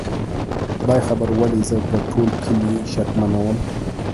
خدای خبر ولې زه په ټول کلي شکمنه ومه؟